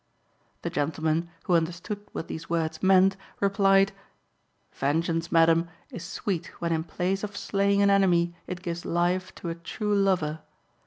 The gentleman, who understood what these words meant, replied "Vengeance, madam, is sweet when in place of slaying an enemy it gives life to a true lover.